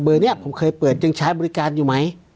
เบอร์เนี่ยผมเคยเปิดยังใช้บริการอยู่ไหม